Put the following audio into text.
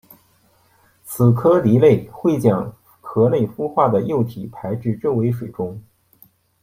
此科蜊类会将壳内孵化的幼体排至周围水中。